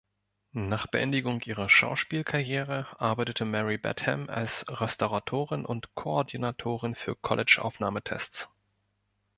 Nach Beendigung ihrer Schauspielkarriere arbeitete Mary Badham als Restauratorin und Koordinatorin für College-Aufnahmetests.